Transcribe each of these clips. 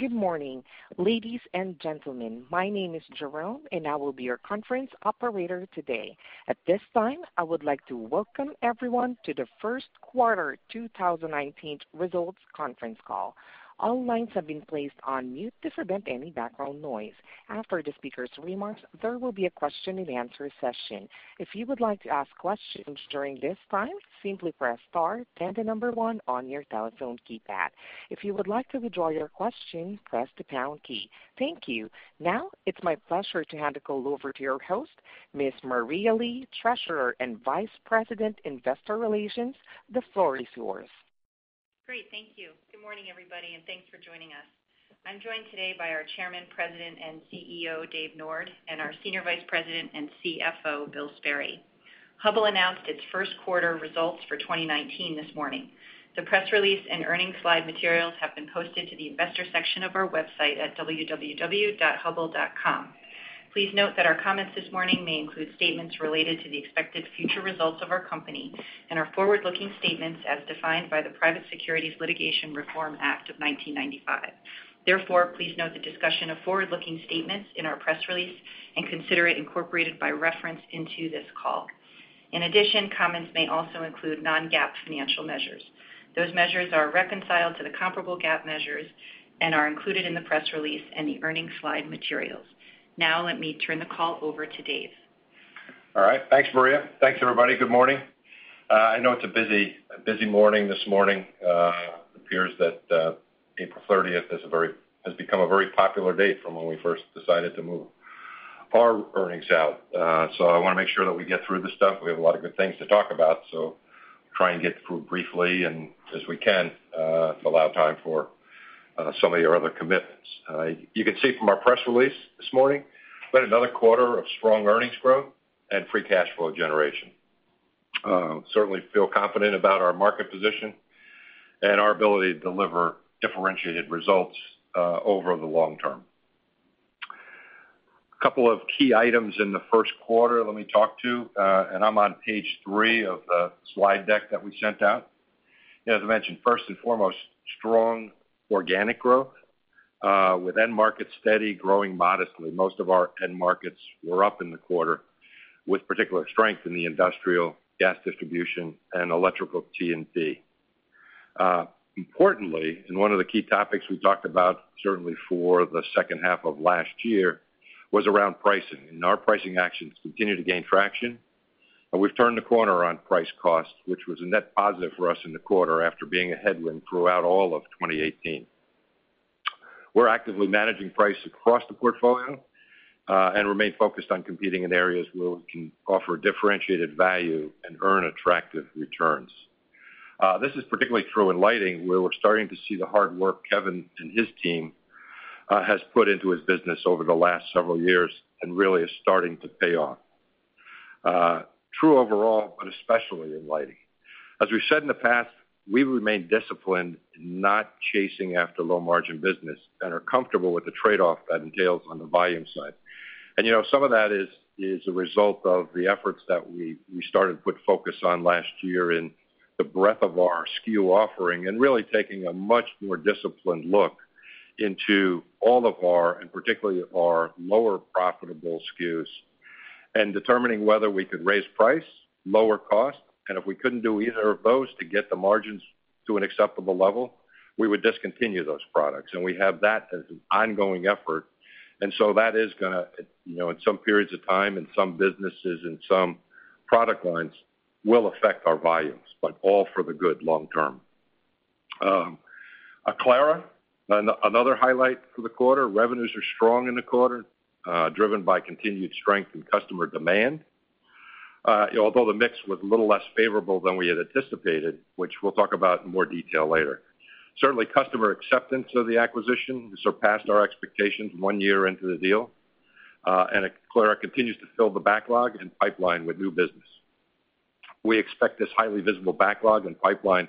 Good morning, ladies and gentlemen. My name is Jerome and I will be your conference operator today. At this time, I would like to welcome everyone to the first quarter 2019 results conference call. All lines have been placed on mute to prevent any background noise. After the speakers' remarks, there will be a question-and-answer session. If you would like to ask questions during this time, simply press star then the number 1 on your telephone keypad. If you would like to withdraw your question, press the pound key. Thank you. Now it's my pleasure to hand the call over to your host, Ms. Maria Lee, Treasurer and Vice President, Investor Relations. The floor is yours. Great, thank you. Good morning, everybody, and thanks for joining us. I'm joined today by our Chairman, President, and CEO, Dave Nord, and our Senior Vice President and CFO, Bill Sperry. Hubbell announced its first quarter results for 2019 this morning. The press release and earnings slide materials have been posted to the investor section of our website at www.hubbell.com. Please note that our comments this morning may include statements related to the expected future results of our company and are forward-looking statements as defined by the Private Securities Litigation Reform Act of 1995. Therefore, please note the discussion of forward-looking statements in our press release and consider it incorporated by reference into this call. In addition, comments may also include non-GAAP financial measures. Those measures are reconciled to the comparable GAAP measures and are included in the press release and the earnings slide materials. Let me turn the call over to Dave. All right. Thanks, Maria. Thanks, everybody. Good morning. I know it's a busy morning this morning. It appears that April 30th has become a very popular date from when we first decided to move our earnings out. I want to make sure that we get through this stuff. We have a lot of good things to talk about, try and get through briefly and as we can, allow time for some of your other commitments. You can see from our press release this morning, we've had another quarter of strong earnings growth and free cash flow generation. Certainly feel confident about our market position and our ability to deliver differentiated results over the long term. A couple of key items in the first quarter let me talk to, and I'm on page three of the slide deck that we sent out. As I mentioned, first and foremost, strong organic growth with end markets steady, growing modestly. Most of our end markets were up in the quarter with particular strength in the industrial, gas distribution, and electrical T&D. Importantly, one of the key topics we talked about certainly for the second half of last year, was around pricing. Our pricing actions continue to gain traction, and we've turned the corner on price cost, which was a net positive for us in the quarter after being a headwind throughout all of 2018. We're actively managing price across the portfolio, and remain focused on competing in areas where we can offer differentiated value and earn attractive returns. This is particularly true in lighting, where we're starting to see the hard work Kevin and his team has put into his business over the last several years and really is starting to pay off. True overall, but especially in lighting. As we've said in the past, we remain disciplined in not chasing after low-margin business and are comfortable with the trade-off that entails on the volume side. Some of that is a result of the efforts that we started to put focus on last year in the breadth of our SKU offering and really taking a much more disciplined look into all of our, and particularly our lower profitable SKUs, and determining whether we could raise price, lower cost, and if we couldn't do either of those to get the margins to an acceptable level, we would discontinue those products. We have that as an ongoing effort, and so that is going to, in some periods of time, in some businesses, in some product lines, will affect our volumes, but all for the good long term. Aclara, another highlight for the quarter. Revenues are strong in the quarter, driven by continued strength in customer demand. Although the mix was a little less favorable than we had anticipated, which we'll talk about in more detail later. Certainly, customer acceptance of the acquisition surpassed our expectations one year into the deal, and Aclara continues to fill the backlog and pipeline with new business. We expect this highly visible backlog and pipeline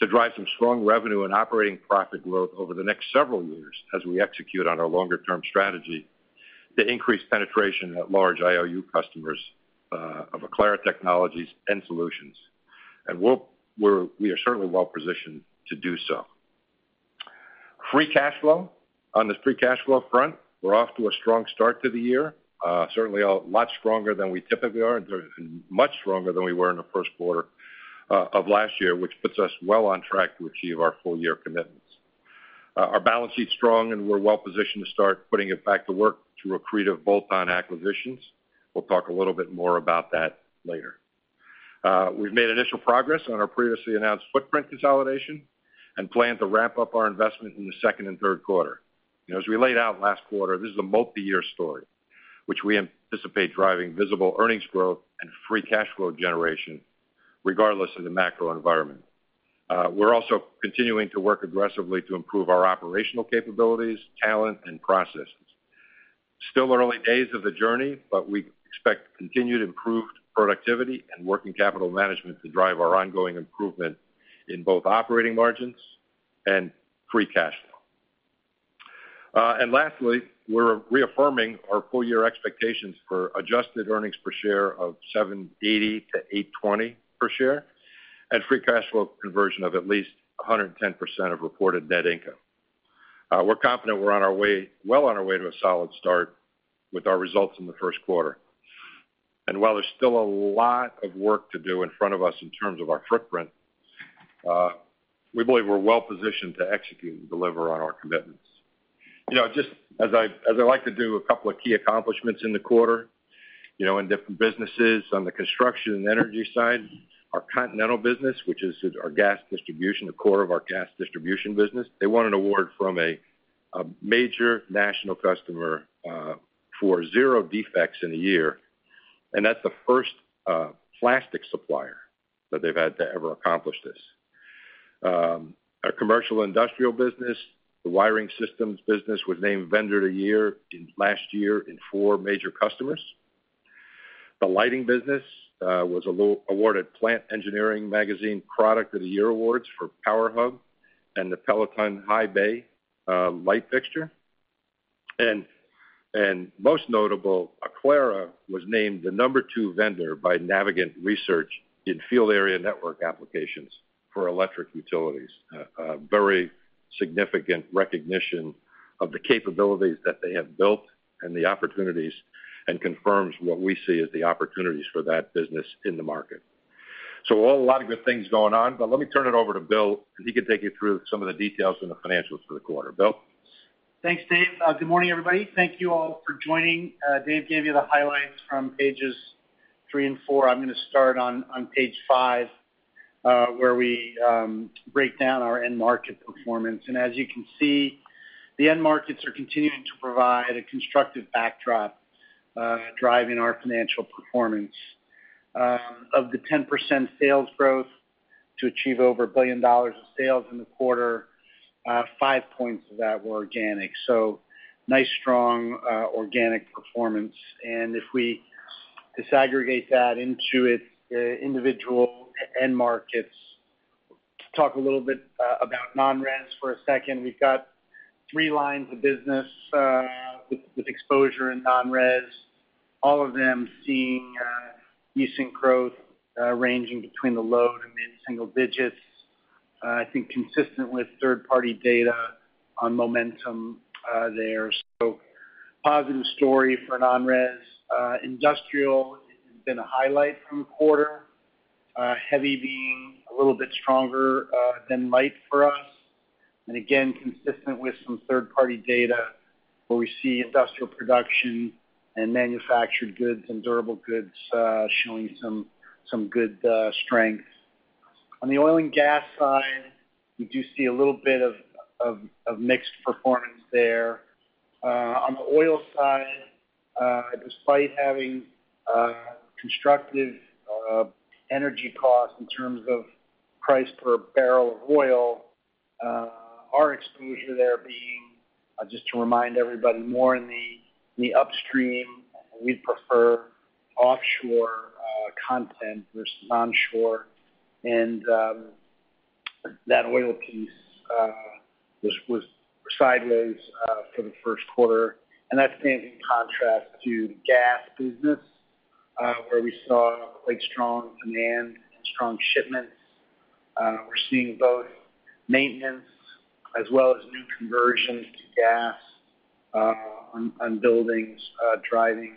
to drive some strong revenue and operating profit growth over the next several years as we execute on our longer-term strategy to increase penetration at large IOU customers of Aclara technologies and solutions. We are certainly well-positioned to do so. Free cash flow. On this free cash flow front, we're off to a strong start to the year. Certainly a lot stronger than we typically are, and much stronger than we were in the first quarter of last year, which puts us well on track to achieve our full-year commitments. Our balance sheet's strong, and we're well positioned to start putting it back to work through accretive bolt-on acquisitions. We'll talk a little bit more about that later. We've made initial progress on our previously announced footprint consolidation and plan to ramp up our investment in the second and third quarter. As we laid out last quarter, this is a multiyear story, which we anticipate driving visible earnings growth and free cash flow generation regardless of the macro environment. We're also continuing to work aggressively to improve our operational capabilities, talent, and processes. Still early days of the journey, but we expect continued improved productivity and working capital management to drive our ongoing improvement in both operating margins and free cash flow. Lastly, we're reaffirming our full year expectations for adjusted earnings per share of $7.80-$8.20 per share and free cash flow conversion of at least 110% of reported net income. We're confident we're well on our way to a solid start with our results in the first quarter. While there's still a lot of work to do in front of us in terms of our footprint, we believe we're well positioned to execute and deliver on our commitments. Just as I like to do, a couple of key accomplishments in the quarter, in different businesses. On the construction and energy side, our continental business, which is our gas distribution, the core of our gas distribution business, they won an award from a major national customer for zero defects in a year, and that's the first plastic supplier that they've had to ever accomplish this. Our commercial industrial business, the wiring systems business, was named vendor of the year last year in four major customers. The lighting business was awarded Plant Engineering magazine Product of the Year awards for PowerHub and the Peloton High Bay light fixture. Most notable, Aclara was named the number 2 vendor by Navigant Research in field area network applications for electric utilities. A very significant recognition of the capabilities that they have built and the opportunities, and confirms what we see as the opportunities for that business in the market. A lot of good things going on, but let me turn it over to Bill, and he can take you through some of the details and the financials for the quarter. Bill? Thanks, Dave. Good morning, everybody. Thank you all for joining. Dave gave you the highlights from pages three and four. I'm going to start on page five, where we break down our end market performance. As you can see, the end markets are continuing to provide a constructive backdrop, driving our financial performance. Of the 10% sales growth to achieve over a billion dollars of sales in the quarter, five points of that were organic. Nice, strong organic performance. If we disaggregate that into its individual end markets, to talk a little bit about non-res for a second, we've got three lines of business with exposure in non-res, all of them seeing decent growth ranging between the low to mid-single digits, I think consistent with third-party data on momentum there. Positive story for non-res. Industrial has been a highlight from the quarter, heavy being a little bit stronger than light for us. Again, consistent with some third-party data where we see industrial production in manufactured goods and durable goods showing some good strength. On the oil and gas side, we do see a little bit of mixed performance there. On the oil side, despite having constructive energy costs in terms of price per barrel of oil, our exposure there being, just to remind everybody, more in the upstream. We prefer offshore content versus onshore. That oil piece was sideways for the first quarter. That's in contrast to the gas business, where we saw strong demand and strong shipments. We're seeing both maintenance as well as new conversions to gas on buildings driving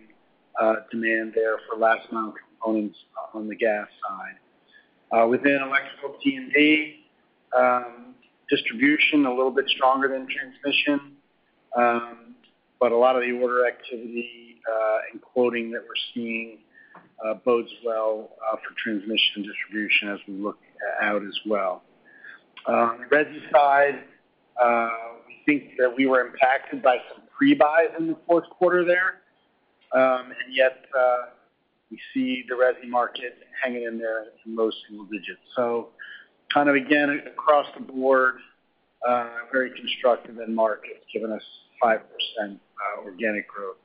demand there for last mile components on the gas side. Within electrical T&D, distribution a little bit stronger than transmission, but a lot of the order activity and quoting that we're seeing bodes well for transmission distribution as we look out as well. On the resi side, we think that we were impacted by some pre-buys in the fourth quarter there, yet we see the resi market hanging in there in low single digits. Again, across the board, very constructive end markets giving us 5% organic growth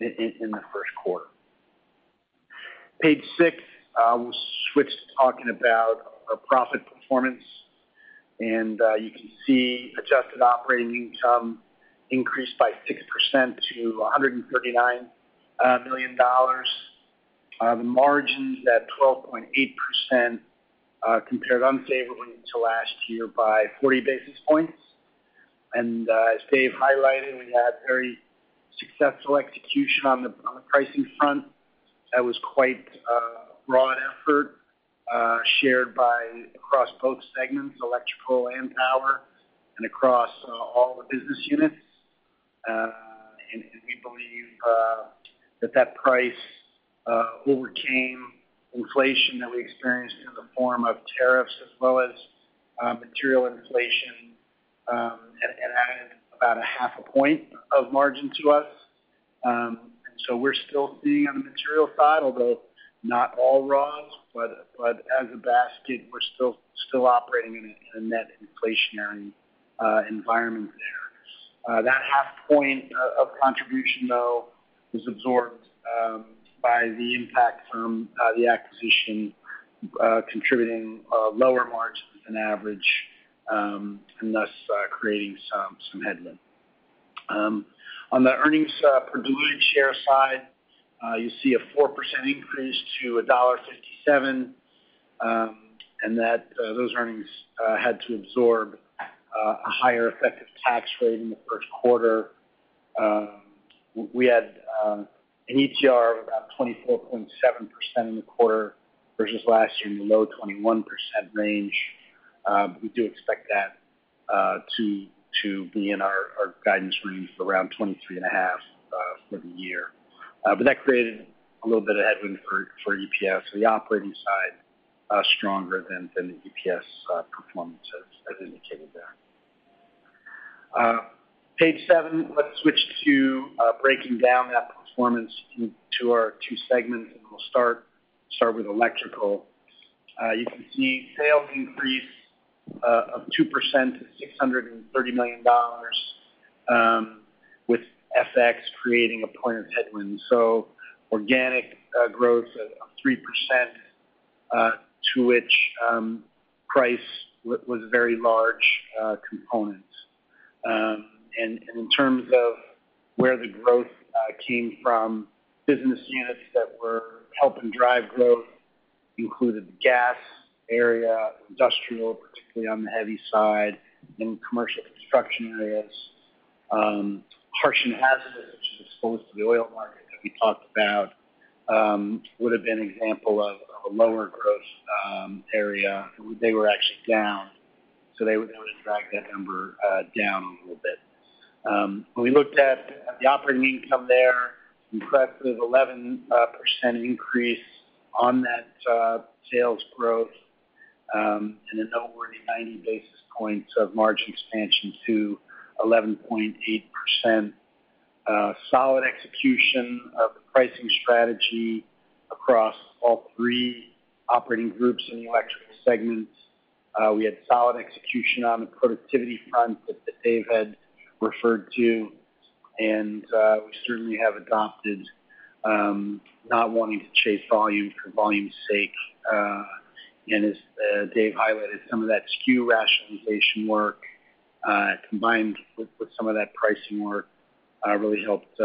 in the first quarter. Page six, we'll switch to talking about our profit performance, and you can see adjusted operating income increased by 6% to $139 million. The margins at 12.8% compared unfavorably to last year by 40 basis points. As Dave highlighted, we had very successful execution on the pricing front. That was quite a broad effort shared by across both segments, electrical and power, across all the business units. We believe that price overcame inflation that we experienced in the form of tariffs as well as material inflation, and added about a half a point of margin to us. We're still seeing on the material side, although not all raws, but as a basket, we're still operating in a net inflationary environment there. That half point of contribution, though, was absorbed by the impact from the acquisition contributing lower margins than average, and thus creating some headwind. On the earnings per diluted share side, you see a 4% increase to $1.57, and those earnings had to absorb a higher effective tax rate in the first quarter. We had an ETR of around 24.7% in the quarter versus last year in the low 21% range. We do expect that to be in our guidance range for around 23.5% for the year. That created a little bit of headwind for EPS. The operating side stronger than the EPS performance as indicated there. Page seven, let's switch to breaking down that performance into our two segments, and we'll start with electrical. You can see sales increased of 2% to $630 million with FX creating a point of headwind. Organic growth of 3%, to which price was a very large component. In terms of where the growth came from, business units that were helping drive growth included the gas area, industrial, particularly on the heavy side, and commercial construction areas. Harsh and hazardous, which is exposed to the oil market that we talked about, would've been an example of a lower growth area. They were actually down, they would've dragged that number down a little bit. When we looked at the operating income there, impressive 11% increase on that sales growth and a noteworthy 90 basis points of margin expansion to 11.8%. Solid execution of the pricing strategy across all three operating groups in the electrical segments. We had solid execution on the productivity front that Dave had referred to, and we certainly have adopted not wanting to chase volume for volume's sake. As Dave highlighted, some of that SKU rationalization work, combined with some of that pricing work, really helped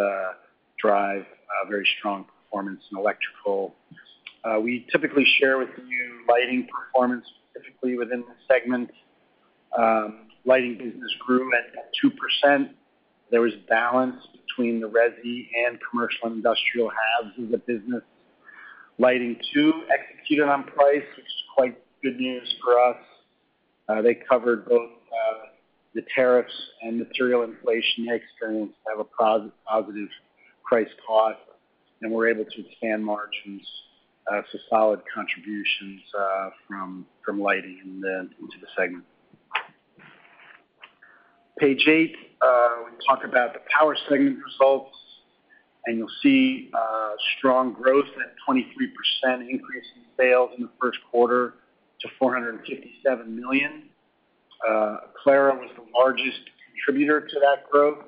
drive a very strong performance in electrical. We typically share with you Lighting performance, specifically within this segment. Lighting business grew at 2%. There was balance between the resi and commercial industrial halves of the business. Lighting, too, executed on price, which is quite good news for us. They covered both the tariffs and material inflation they experienced to have a positive price cost, and were able to expand margins. Solid contributions from Lighting into the segment. Page eight, we talk about the Power Segment results. You'll see strong growth at 23% increase in sales in the first quarter to $457 million. Aclara was the largest contributor to that growth.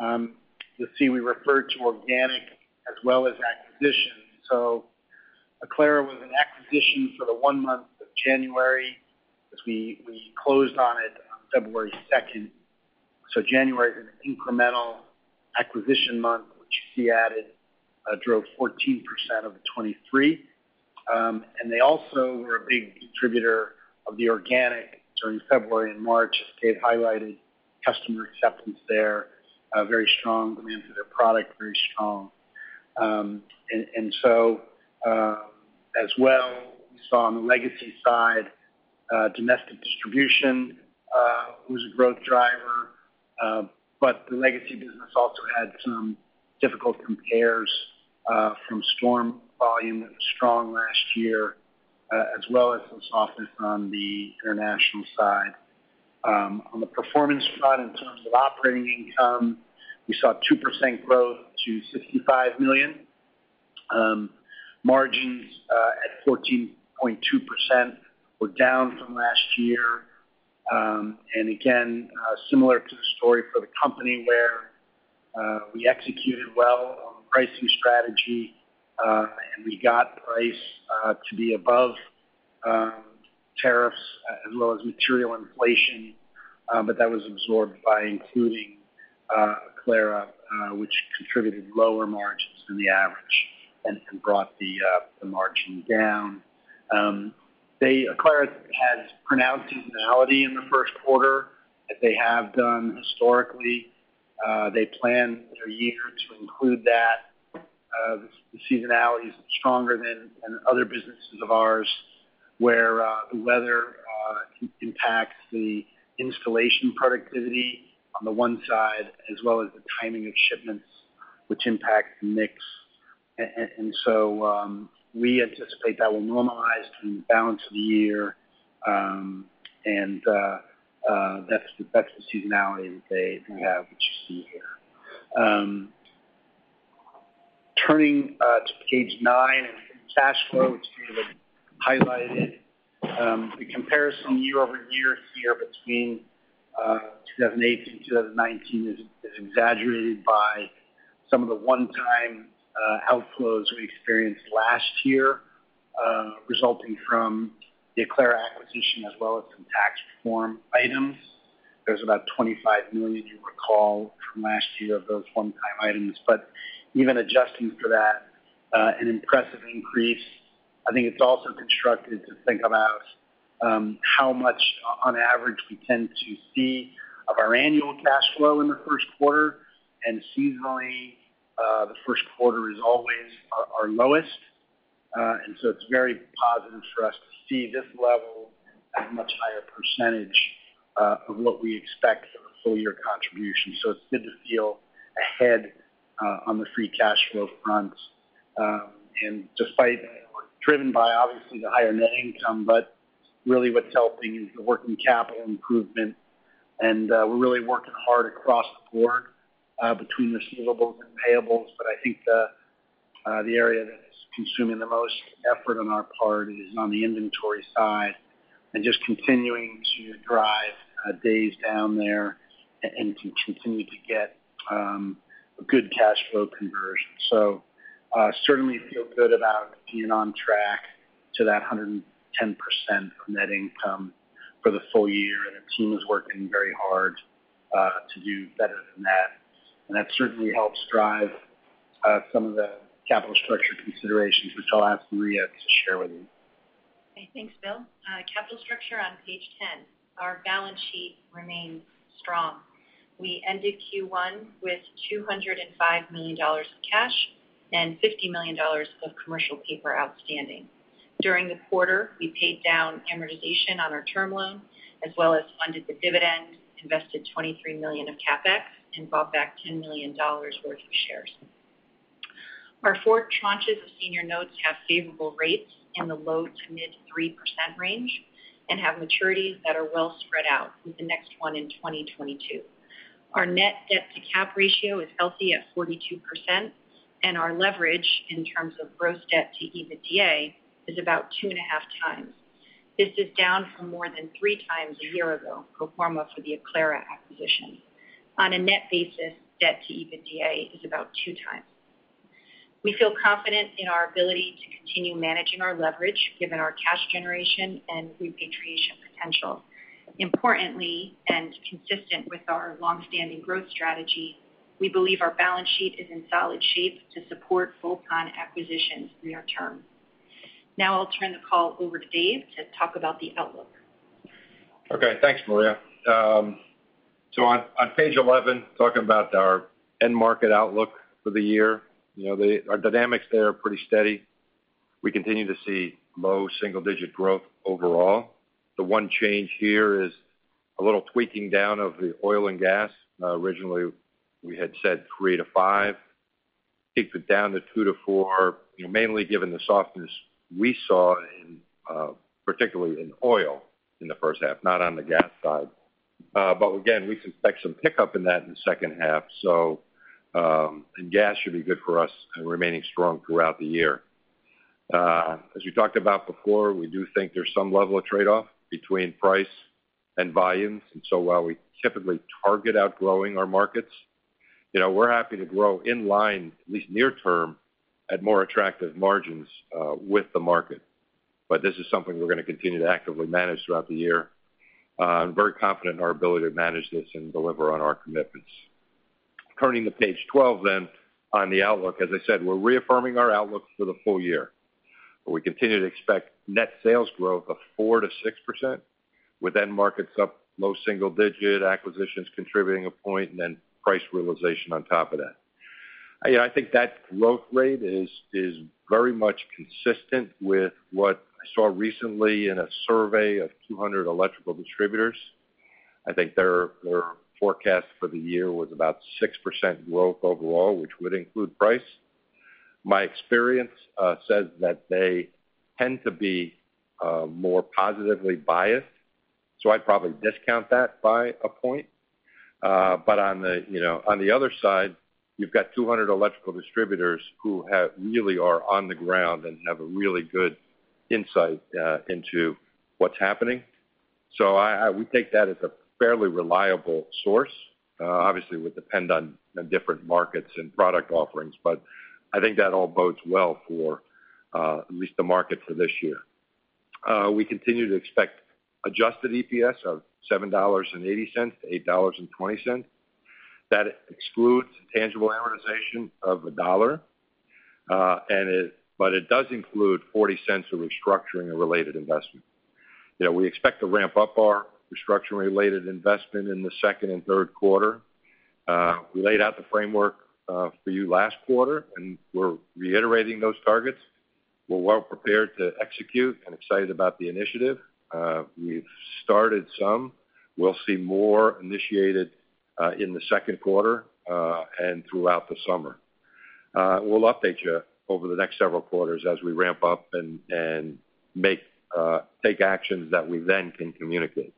You'll see we refer to organic as well as acquisition. Aclara was an acquisition for the one month of January, since we closed on it on February 2nd. January was an incremental acquisition month, which she added, drove 14% of the 23. They also were a big contributor of the organic during February and March, as Dave highlighted, customer acceptance there, very strong demand for their product, very strong. As well, we saw on the legacy side, domestic distribution was a growth driver. The legacy business also had some difficult compares from storm volume that was strong last year, as well as some softness on the international side. On the performance front, in terms of operating income, we saw 2% growth to $65 million. Margins at 14.2% were down from last year. Again, similar to the story for the company where we executed well on the pricing strategy, and we got the price to be above tariffs as well as material inflation, but that was absorbed by including Aclara, which contributed lower margins than the average and brought the margin down. Aclara has pronounced seasonality in the first quarter, as they have done historically. They plan their year to include that. The seasonality is stronger than in other businesses of ours, where the weather can impact the installation productivity on the one side, as well as the timing of shipments, which impact the mix. We anticipate that will normalize through the balance of the year. That's the seasonality that they have, which you see here. Turning to page nine and cash flow, which Dave had highlighted. The comparison year-over-year here between 2018 to 2019 is exaggerated by some of the one-time outflows we experienced last year, resulting from the Aclara acquisition as well as some tax form items. There's about $25 million, you recall, from last year of those one-time items. Even adjusting for that, an impressive increase. I think it's also constructive to think about how much, on average, we tend to see of our annual cash flow in the first quarter. Seasonally, the first quarter is always our lowest. It's very positive for us to see this level at a much higher percentage of what we expect for a full-year contribution. It's good to feel ahead on the free cash flow front. Despite being driven by, obviously, the higher net income, but really what's helping is the working capital improvement. We're really working hard across the board between the receivables and payables, but I think the area that is consuming the most effort on our part is on the inventory side, just continuing to drive days down there and to continue to get a good cash flow conversion. Certainly feel good about being on track to that 110% of net income for the full year. The team is working very hard to do better than that. That certainly helps drive some of the capital structure considerations, which I'll ask Maria to share with you. Okay. Thanks, Bill. Capital structure on page 10. Our balance sheet remains strong. We ended Q1 with $205 million of cash and $50 million of commercial paper outstanding. During the quarter, we paid down amortization on our term loan as well as funded the dividend, invested $23 million of CapEx, and bought back $10 million worth of shares. Our four tranches of senior notes have favorable rates in the low to mid 3% range and have maturities that are well spread out, with the next one in 2022. Our net debt to cap ratio is healthy at 42%, and our leverage, in terms of gross debt to EBITDA, is about 2.5x. This is down from more than 3x a year ago, pro forma for the Aclara acquisition. On a net basis, debt to EBITDA is about 2x. We feel confident in our ability to continue managing our leverage given our cash generation and repatriation potential. Importantly, consistent with our longstanding growth strategy, we believe our balance sheet is in solid shape to support bolt-on acquisitions near-term. I'll turn the call over to Dave to talk about the outlook. Okay, thanks, Maria. On page 11, talking about our end market outlook for the year. Our dynamics there are pretty steady. We continue to see low single-digit growth overall. The one change here is a little tweaking down of the oil and gas. Originally, we had said 3% to 5%. Take that down to 2% to 4%, mainly given the softness we saw particularly in oil in the first half, not on the gas side. Again, we expect some pickup in that in the second half, and gas should be good for us and remaining strong throughout the year. As we talked about before, we do think there's some level of trade-off between price and volumes, while we typically target outgrowing our markets, we're happy to grow in line, at least near term, at more attractive margins with the market. This is something we're going to continue to actively manage throughout the year. I'm very confident in our ability to manage this and deliver on our commitments. Turning to page 12, on the outlook, as I said, we're reaffirming our outlook for the full year. We continue to expect net sales growth of 4% to 6%, with end markets up low single digit, acquisitions contributing a point, and price realization on top of that. I think that growth rate is very much consistent with what I saw recently in a survey of 200 electrical distributors. I think their forecast for the year was about 6% growth overall, which would include price. My experience says that they tend to be more positively biased, I'd probably discount that by a point. On the other side, you've got 200 electrical distributors who really are on the ground and have a really good insight into what's happening. We take that as a fairly reliable source. Obviously, it would depend on the different markets and product offerings, but I think that all bodes well for at least the market for this year. We continue to expect adjusted EPS of $7.80 to $8.20. That excludes intangible amortization of $1.00, but it does include $0.40 of restructuring and related investment. We expect to ramp up our restructuring-related investment in the second and third quarter. We laid out the framework for you last quarter, we're reiterating those targets. We're well prepared to execute and excited about the initiative. We've started some. We'll see more initiated in the second quarter and throughout the summer. We'll update you over the next several quarters as we ramp up and take actions that we then can communicate.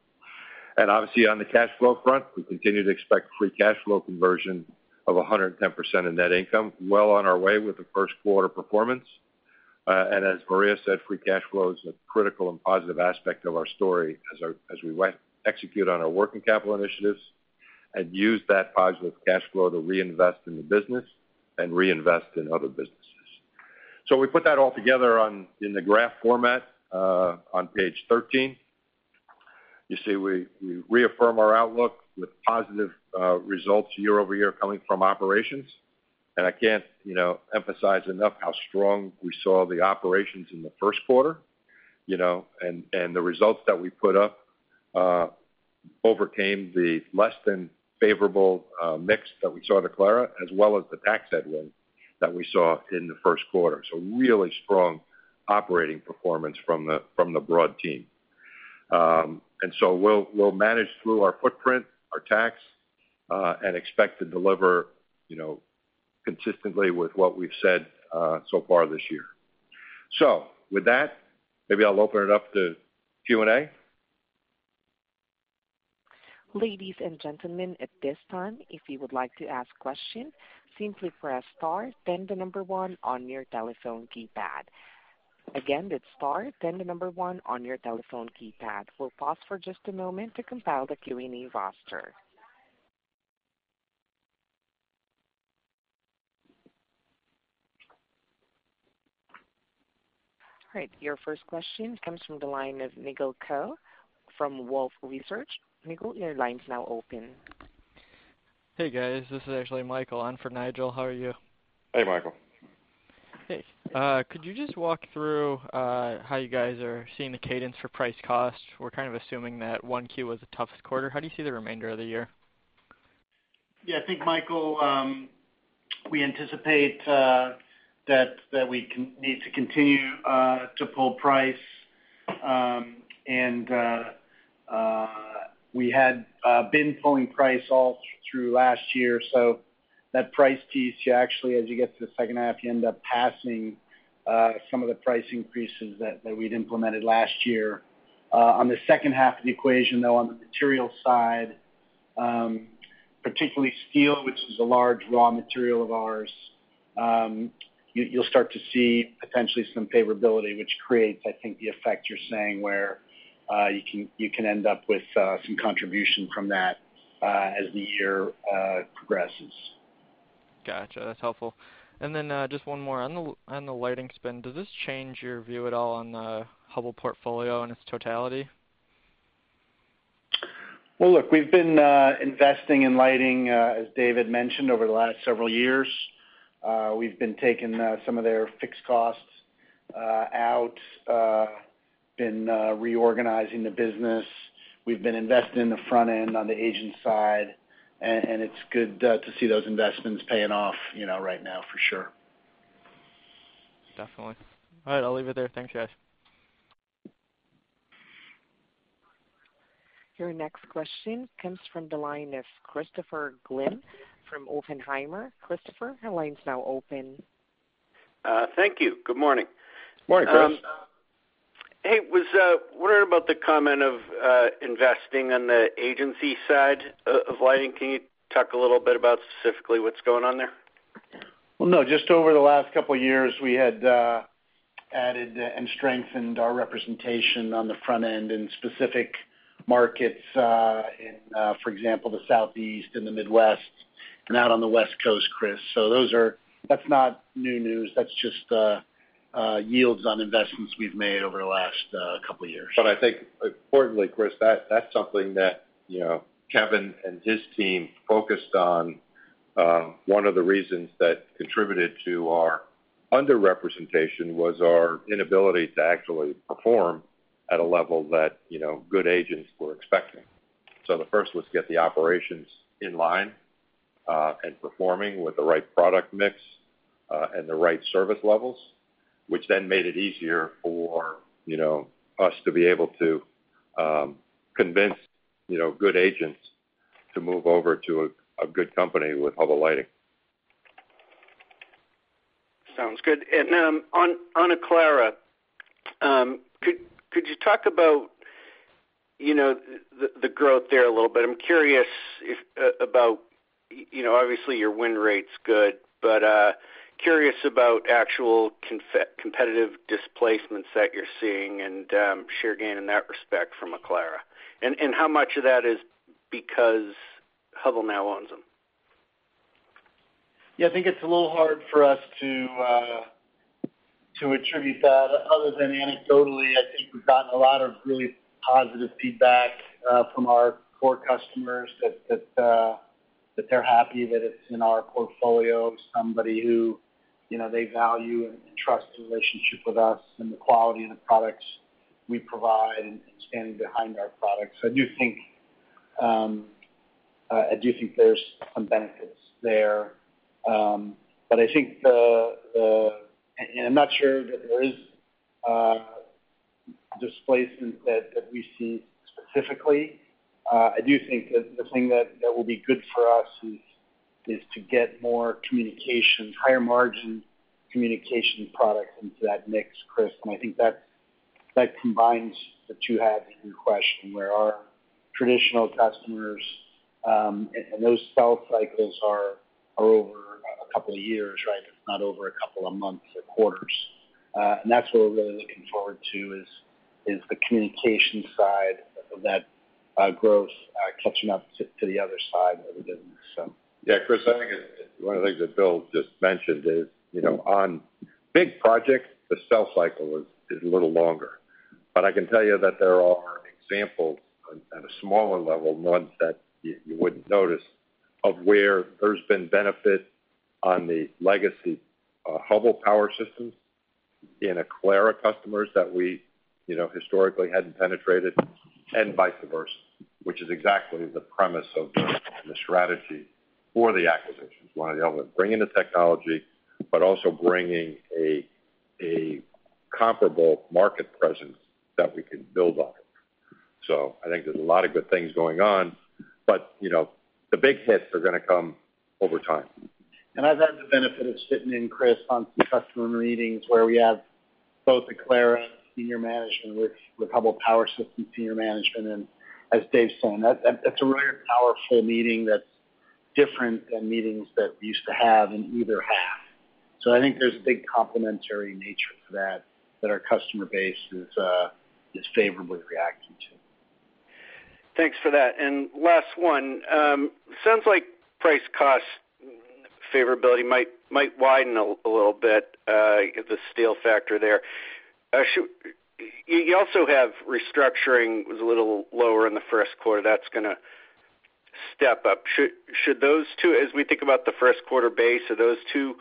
Obviously, on the cash flow front, we continue to expect free cash flow conversion of 110% of net income, well on our way with the first quarter performance. As Maria said, free cash flow is a critical and positive aspect of our story as we execute on our working capital initiatives and use that positive cash flow to reinvest in the business and reinvest in other businesses. We put that all together in the graph format on page 13. You see we reaffirm our outlook with positive results year-over-year coming from operations. I can't emphasize enough how strong we saw the operations in the first quarter. The results that we put up overcame the less than favorable mix that we saw at Aclara, as well as the tax headwind that we saw in the first quarter. Really strong operating performance from the broad team. We'll manage through our footprint, our tax, and expect to deliver consistently with what we've said so far this year. With that, maybe I'll open it up to Q&A. Ladies and gentlemen, at this time, if you would like to ask questions, simply press star then the number one on your telephone keypad. Again, hit star then the number one on your telephone keypad. We'll pause for just a moment to compile the Q&A roster. All right, your first question comes from the line of Nigel Coe from Wolfe Research. Nigel, your line's now open. Hey, guys. This is actually Michael on for Nigel. How are you? Hey, Michael. Hey. Could you just walk through how you guys are seeing the cadence for price cost? We're kind of assuming that one Q was the toughest quarter. How do you see the remainder of the year? Yeah, I think, Michael, we anticipate that we need to continue to pull price. We had been pulling price all through last year, so that price piece, you actually, as you get to the second half, you end up passing some of the price increases that we'd implemented last year. On the second half of the equation, though, on the material side, particularly steel, which is a large raw material of ours, you'll start to see potentially some favorability, which creates, I think, the effect you're saying, where you can end up with some contribution from that as the year progresses. Got you. That's helpful. Then just one more. On the lighting spend, does this change your view at all on the Hubbell portfolio in its totality? Well, look, we've been investing in lighting, as David mentioned, over the last several years. We've been taking some of their fixed costs out, been reorganizing the business. We've been investing in the front end on the agent side. It's good to see those investments paying off right now for sure. Definitely. All right, I'll leave it there. Thanks, guys. Your next question comes from the line of Christopher Glynn from Oppenheimer. Christopher, your line's now open. Thank you. Good morning. Morning, Chris. Hey, was wondering about the comment of investing on the agency side of lighting. Can you talk a little bit about specifically what's going on there? Well, no, just over the last couple of years, we had added and strengthened our representation on the front end in specific markets, for example, the Southeast and the Midwest and out on the West Coast, Chris. That's not new news. That's just yields on investments we've made over the last couple of years. I think importantly, Chris, that's something that Kevin and his team focused on. One of the reasons that contributed to our under-representation was our inability to actually perform at a level that good agents were expecting. The first was to get the operations in line and performing with the right product mix and the right service levels, which then made it easier for us to be able to convince good agents to move over to a good company with Hubbell Lighting. Sounds good. On Aclara, could you talk about the growth there a little bit? I'm curious about, obviously, your win rate's good, but curious about actual competitive displacements that you're seeing and share gain in that respect from Aclara, and how much of that is because Hubbell now owns them. Yeah, I think it's a little hard for us to attribute that other than anecdotally. I think we've gotten a lot of really positive feedback from our core customers that they're happy that it's in our portfolio, somebody who they value and trust the relationship with us and the quality of the products we provide and standing behind our products. I do think there's some benefits there. I'm not sure that there is displacement that we see specifically. I do think that the thing that will be good for us is to get more communication, higher margin communication products into that mix, Chris. I think that combines the two halves of your question, where our traditional customers, and those sales cycles are over a couple of years, right? It's not over a couple of months or quarters. That's what we're really looking forward to, is the communication side of that growth catching up to the other side of the business. Yeah, Chris, I think one of the things that Bill just mentioned is on big projects, the sales cycle is a little longer. I can tell you that there are examples on a smaller level, ones that you wouldn't notice, of where there's been benefit on the legacy Hubbell Power Systems in Aclara customers that we historically hadn't penetrated, and vice versa, which is exactly the premise of the strategy for the acquisitions. One element, bringing the technology, but also bringing a comparable market presence that we can build on. I think there's a lot of good things going on, but the big hits are going to come over time. I've had the benefit of sitting in, Chris, on some customer meetings where we have both Aclara senior management with Hubbell Power Systems senior management, and as Dave said, that's a really powerful meeting that's different than meetings that we used to have in either half. I think there's a big complementary nature to that our customer base is favorably reacting to. Thanks for that. Last one. Sounds like price cost favorability might widen a little bit. You get the steel factor there. You also have restructuring was a little lower in the first quarter. That's going to step up. As we think about the first quarter base, are those two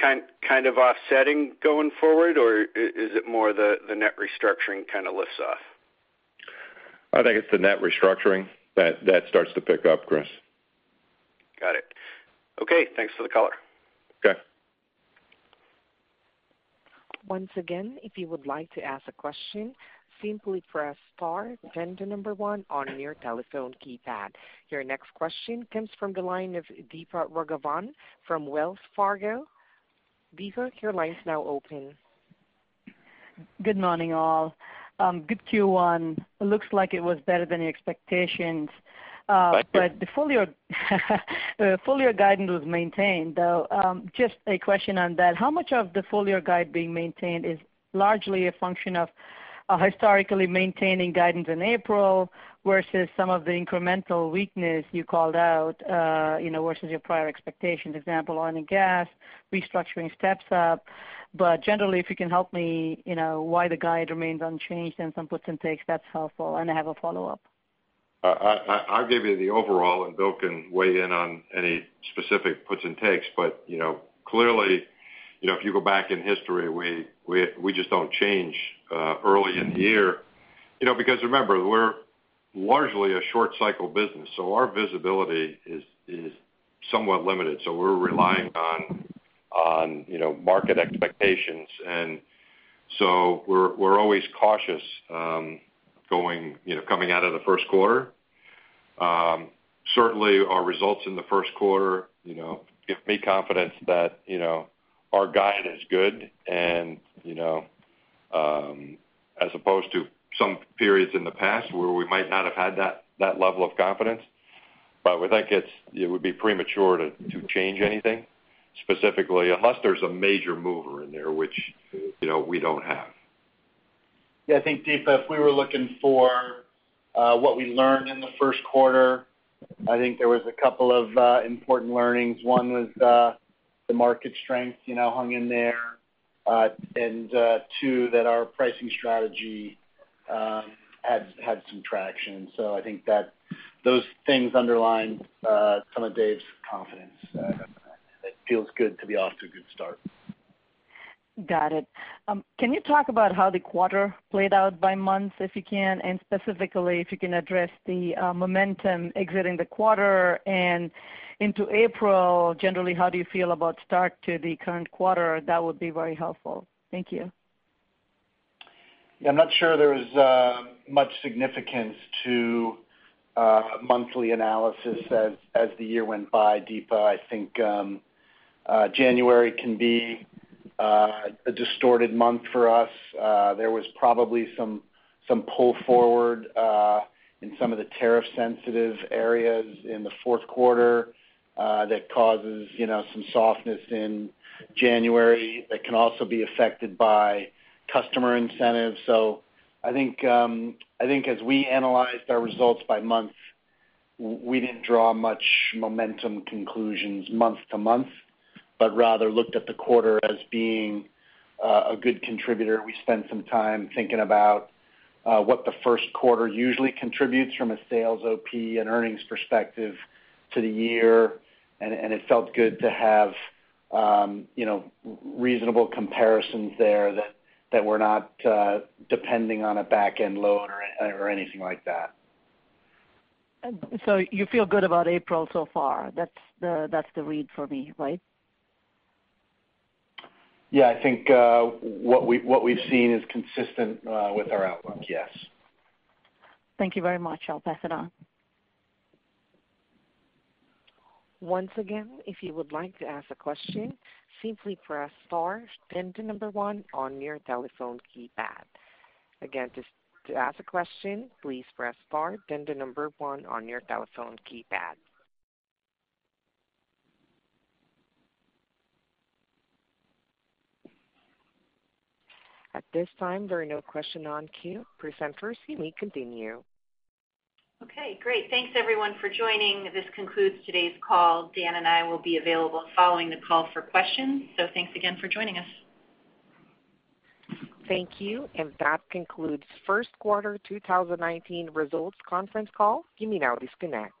kind of offsetting going forward, or is it more the net restructuring kind of lifts off? I think it's the net restructuring that starts to pick up, Chris. Got it. Okay, thanks for the color. Okay. Once again, if you would like to ask a question, simply press star, then the number one on your telephone keypad. Your next question comes from the line of Deepa Raghavan from Wells Fargo. Deepa, your line's now open. Good morning, all. Good Q1. Looks like it was better than your expectations. Thank you The full year guidance was maintained, though. Just a question on that. How much of the full year guide being maintained is largely a function of historically maintaining guidance in April versus some of the incremental weakness you called out versus your prior expectations? Example, oil and gas, restructuring steps up. Generally, if you can help me why the guide remains unchanged and some puts and takes, that's helpful. I have a follow-up. I'll give you the overall. Bill can weigh in on any specific puts and takes. Clearly, if you go back in history, we just don't change early in the year. Remember, we're largely a short cycle business, so our visibility is somewhat limited. We're relying on market expectations, so we're always cautious coming out of the first quarter. Certainly, our results in the first quarter give me confidence that our guide is good, as opposed to some periods in the past where we might not have had that level of confidence. We think it would be premature to change anything specifically, unless there's a major mover in there, which we don't have. Yeah, I think, Deepa, if we were looking for what we learned in the first quarter, I think there was a couple of important learnings. One was the market strength hung in there. Two, that our pricing strategy had some traction. I think that those things underline some of Dave's confidence. It feels good to be off to a good start. Got it. Can you talk about how the quarter played out by month, if you can, and specifically if you can address the momentum exiting the quarter and into April? Generally, how do you feel about start to the current quarter? That would be very helpful. Thank you. Yeah, I'm not sure there's much significance to monthly analysis as the year went by, Deepa. I think January can be a distorted month for us. There was probably some pull forward in some of the tariff sensitive areas in the fourth quarter that causes some softness in January that can also be affected by customer incentives. I think as we analyzed our results by month, we didn't draw much momentum conclusions month to month, but rather looked at the quarter as being a good contributor. We spent some time thinking about what the first quarter usually contributes from a sales, OP, and earnings perspective to the year. It felt good to have reasonable comparisons there that were not depending on a back end load or anything like that. You feel good about April so far? That's the read for me, right? Yeah, I think what we've seen is consistent with our outlook, yes. Thank you very much. I'll pass it on. Once again, if you would like to ask a question, simply press star, then the number one on your telephone keypad. Again, to ask a question, please press star, then the number one on your telephone keypad. At this time, there are no question on queue. Presenters, you may continue. Okay, great. Thanks, everyone, for joining. This concludes today's call. Dan and I will be available following the call for questions. Thanks again for joining us. Thank you. That concludes first quarter 2019 results conference call. You may now disconnect.